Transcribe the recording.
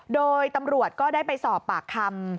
โดยตำรวจก็ได้ไปสอบปากคำ